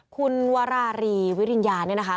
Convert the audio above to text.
คุณวรารีวิริญญาเนี่ยนะคะ